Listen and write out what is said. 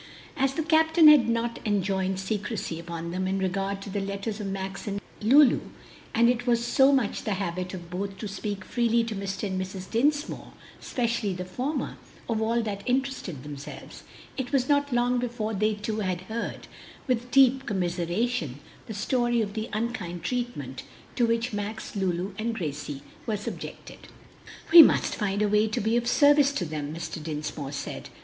As the captain had not enjoined secrecy upon them in regard to the letters of Max and Lulu, and it was so much the habit of both to speak freely to Mr. and Mrs. Dinsmore especially the former of all that interested themselves, it was not long before they too had heard, with deep commiseration, the story of the unkind treatment to which Max, Lulu, and Gracie were subjected. "We must find a way to be of service to them," Mr. Dinsmore said.